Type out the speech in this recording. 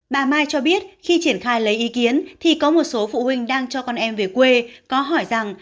bà mai cho biết khi triển khai lấy ý kiến thì có một số phụ huynh đang cho con em về quê có hỏi rằng